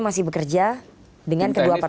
masih bekerja dengan kedua partai